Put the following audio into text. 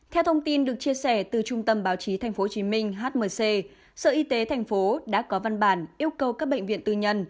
theo thông tin được chia sẻ từ trung tâm báo chí tp hcm hmc sở y tế tp đã có văn bản yêu cầu các bệnh viện tư nhân